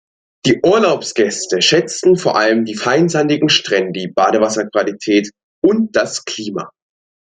Die Urlaubsgäste schätzen vor allem die feinsandigen Strände, die Badewasserqualität und das Klima.